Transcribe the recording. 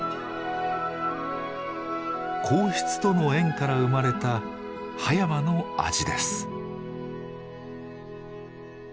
皇室との縁から生まれた葉山の味です。